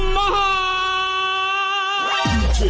น้ำมะฮอล์